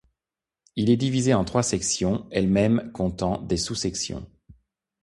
Il est divisé en trois sections, elles-mêmes comptant des sous-sections.